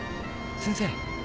先生。